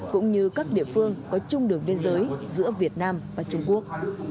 cũng như các địa phương có chung đường biên giới giữa việt nam và trung quốc